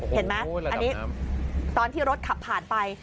เห็นไหมอันนี้ตอนที่รถขับผ่านไป